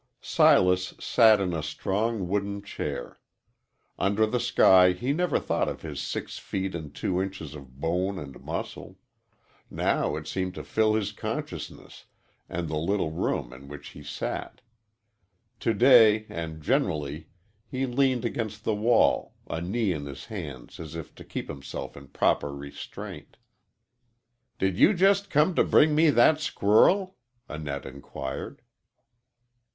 Silas sat in a strong wooden chair. Under the sky he never thought of his six feet and two inches of bone and muscle; now it seemed to fill his consciousness and the little room in which he sat. To day and generally he leaned against the wall, a knee in his hands as if to keep himself in proper restraint. "Did you just come to bring me that squirrel?" Annette inquired.